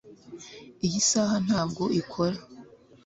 iyi saha ntabwo ikora